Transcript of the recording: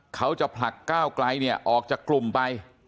เขาจะผลักก้าวไกลเนี่ยออกจากกลุ่มไป